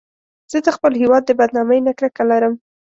زه د خپل هېواد د بدنامۍ نه کرکه لرم